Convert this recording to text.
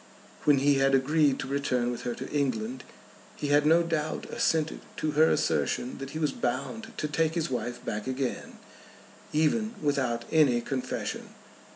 When he had agreed to return with her to England he had no doubt assented to her assertion that he was bound to take his wife back again, even without any confession.